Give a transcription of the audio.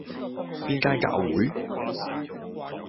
邊間教會?